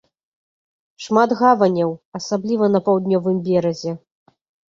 Шмат гаваняў, асабліва на паўднёвым беразе.